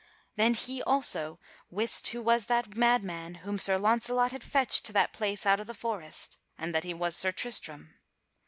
Then he also wist who was that madman whom Sir Launcelot had fetched to that place out of the forest, and that he was Sir Tristram.